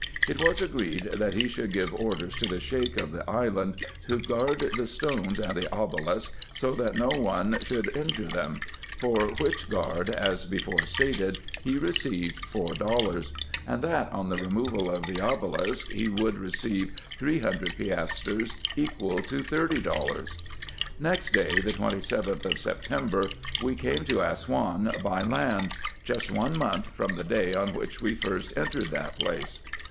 It was agreed, that he should give orders to the Sheik of the island, to guard the stones and the obelisk, so that no one should injure them ; for which guard, as before stated, he received four dollars ; and that on the removal of the obelisk he should receive three hundred piastres, equal to thirty dollars. Next day, the 27th of September, we came to Assouan by land ; just one month from the day on which we first entered that place.